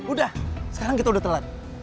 udah sekarang kita udah telat